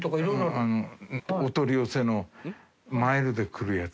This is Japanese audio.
お取り寄せのマイルでくるやつ。